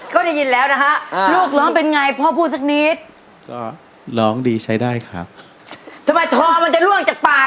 ก็ได้ยินแล้วนะฮะลูกร้องเป็นไงพ่อพูดสักนิดก็ร้องดีใช้ได้ครับทำไมทอมันจะล่วงจากปาก